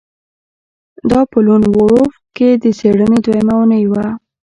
دا په لون وولف کې د څیړنې دویمه اونۍ وه